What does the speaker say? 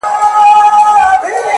• لکه ما چي خپل سکه وروڼه وژلي,